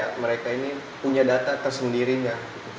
maksudnya mereka ini punya data tersendirinya